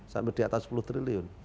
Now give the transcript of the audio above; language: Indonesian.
sampai di atas sepuluh triliun